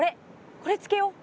これつけよう。